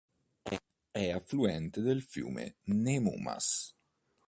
È affluente del fiume Nemunas.